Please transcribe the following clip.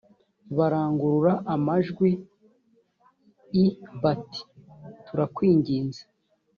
barangurura amajwi i bati turakwinginze